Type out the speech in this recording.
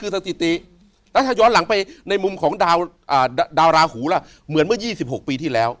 สถา้ย้อนหลังไปในมุมของดาวราหูเหมือนเมื่อ๒๖ปีที่แล้ว